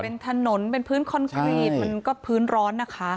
เป็นถนนเป็นพื้นคอนกรีตมันก็พื้นร้อนนะคะ